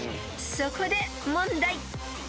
［そこで問題］